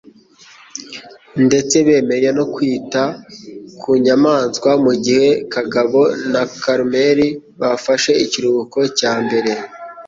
Ndetse bemeye no kwita ku nyamaswa mu gihe Kagabo na Carmen bafashe ikiruhuko cya mbere.